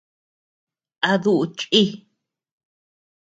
¿A duʼu chíʼ?